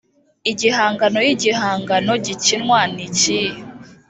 igihangano y igihangano gikinwa nikihe